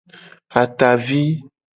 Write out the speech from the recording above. Atavi.